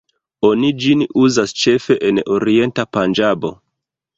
Oni ĝin uzas ĉefe en orienta Panĝabo.